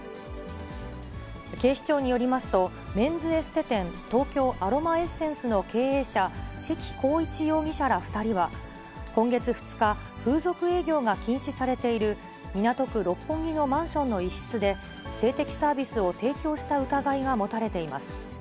警視庁によりますと、メンズエステ店、東京アロマエッセンスの経営者、関浩一容疑者ら２人は、今月２日、風俗営業が禁止されている港区六本木のマンションの一室で、性的サービスを提供した疑いが持たれています。